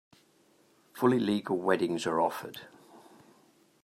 Fully legal weddings are offered.